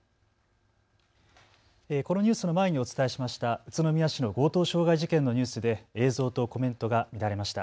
このニュースの前にお伝えしました宇都宮市の強盗傷害事件のニュースで映像とコメントが乱れました。